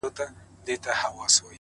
قاضي صاحبه ملامت نه یم ـ بچي وږي وه ـ